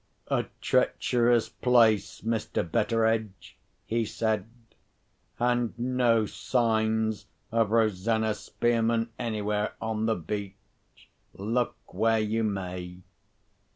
"A treacherous place, Mr. Betteredge," he said; "and no signs of Rosanna Spearman anywhere on the beach, look where you may."